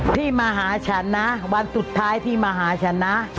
ที่มาหาฉันนะวันสุดท้ายที่มาหาฉันนะ